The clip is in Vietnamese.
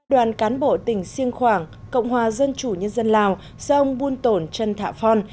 đoàn cán bộ tỉnh siêng khoảng cộng hòa dân chủ nhân dân lào do ông buôn tổn trân thạ phon